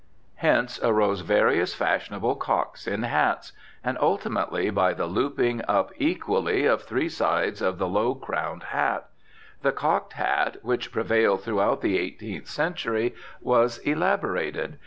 Hence arose various fashionable "cocks" in hats; and ultimately, by the looping up equally of three sides of the low crowned hat, the cocked hat which prevailed throughout the 18th century was elaborated.